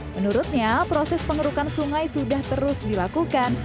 menurutnya proses pengerukan sungai sudah terus dilakukan